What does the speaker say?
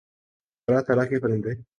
طرح طرح کے پرندے